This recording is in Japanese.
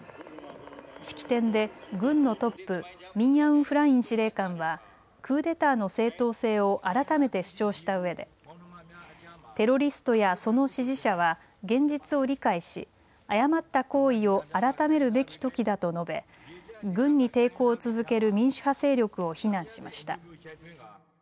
式典で軍のトップミン・アウン・フライン司令官はクーデターの正当性を改めて主張したうえでテロリストやその支持者は現実を理解し、誤った行為を改めるべきときだと述べ軍に抵抗を続ける民主派勢力を非難しました。